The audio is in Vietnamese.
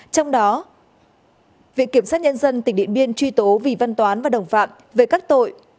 trong đó viện kiểm sát nhân dân tỉnh điện biên truy tố vì văn toán và đồng phạm về các tội